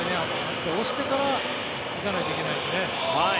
押してから行かないといけないのでね。